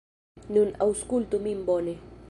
Nun aŭskultu min bone.